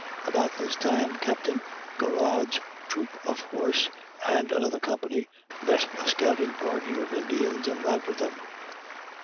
About this time Captain Garrard's troop of horse, and another company, met a scouting party of Indians and routed them.